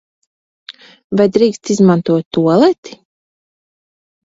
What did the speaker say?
Vai drīkst izmantot tualeti?